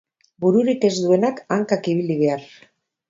Bururik ez duenak, hankak ibili behar.